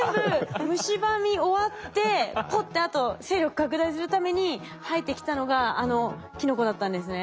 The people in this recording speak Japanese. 全部むしばみ終わってポッてあと勢力拡大するために生えてきたのがあのキノコだったんですね。